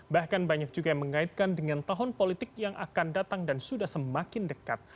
bahkan banyak juga yang mengaitkan dengan tahun politik yang akan datang dan sudah semakin dekat